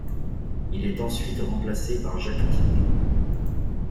Il est ensuite remplacé par Jacques Tiné.